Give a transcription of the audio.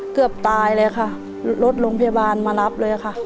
เกือบตายเลยค่ะรถโรงพยาบาลมารับเลยค่ะ